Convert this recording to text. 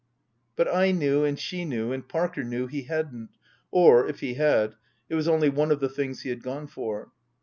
But I knew and she knew and Parker knew he hadn't or, if he had, it was only one of the things he had gone for.